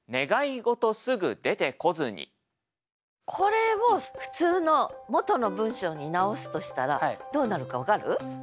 これを普通の元の文章に直すとしたらどうなるか分かる？